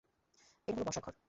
এটা হলো বসার ঘর।